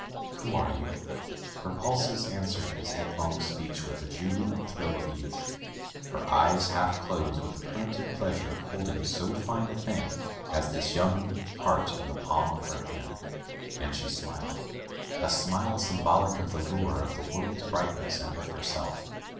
... Who are you?" Her pulses answered his headlong speech with a jubilant thrill of youth. Her eyes half closed with the primitive pleasure of holding so fine a thing as this young heart in the palm of her hand, and she smiled — a smile sym bolic of the lure of the world's brightness and of herself.